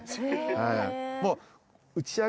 はい。